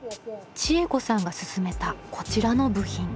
知恵子さんが勧めたこちらの部品。